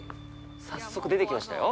早速出てきましたよ。